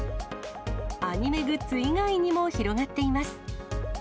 アニメグッズ以外にも広がっています。